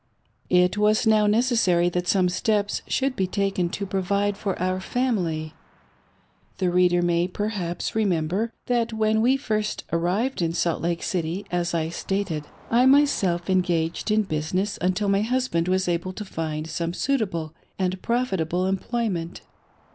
It was now necessary that some steps should be taken to provide for our family. The reader may, perhaps, remember that when we first arrived in Salt Lake City, as I stated/ 1 my self engaged in business until my husband was able to find some suitable and profitable employment.